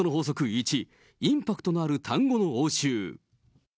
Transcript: １、インパクトのある単語の応酬。